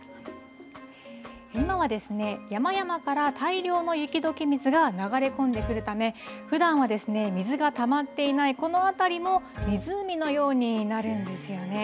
今はですね、山々から大量の雪どけ水が流れ込んでくるためふだんはですね水がたまっていないこの辺りも湖のようになるんですよね。